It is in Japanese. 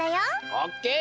オッケー！